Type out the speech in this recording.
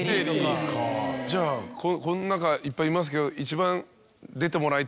じゃあこの中いっぱいいますけど。